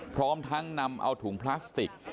พร้อมทั้งนำเอาถุงพลาสติก